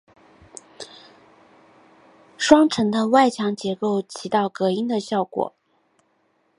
双层的外墙结构起到隔音的效果。